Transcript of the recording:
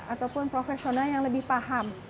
ataupun profesional yang lebih paham